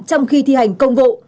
trong khi thi hành công vụ